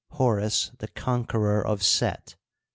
Horus. the conqueror of Set."